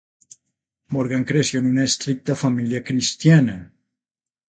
Morgan creció en una estricta familia cristiana.